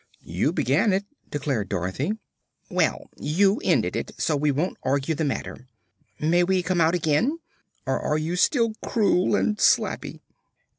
"You began it," declared Dorothy. "Well, you ended it, so we won't argue the matter. May we come out again? Or are you still cruel and slappy?"